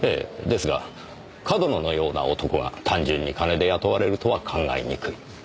ですが上遠野のような男が単純に金で雇われるとは考えにくい。